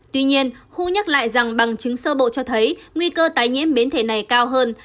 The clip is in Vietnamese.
tuy nhiên khu nhắc lại rằng bằng chứng sơ bộ cho thấy nguy cơ tái nhiễm biến thể này cao hơn